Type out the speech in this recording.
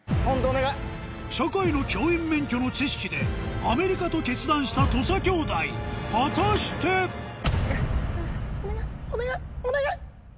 社会の教員免許の知識でアメリカと決断した土佐兄弟果たして⁉お願いお願いお願い！